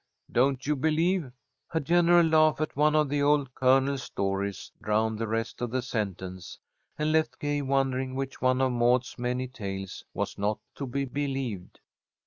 Don't you believe " A general laugh at one of the old Colonel's stories drowned the rest of the sentence, and left Gay wondering which one of Maud's many tales was not to be believed.